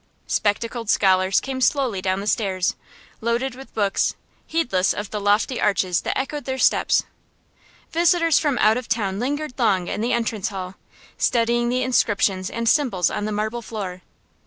Spectacled scholars came slowly down the stairs, loaded with books, heedless of the lofty arches that echoed their steps. Visitors from out of town lingered long in the entrance hall, studying the inscriptions and symbols on the marble floor.